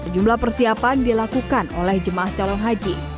jumlah persiapan dilakukan oleh jemaah calon haji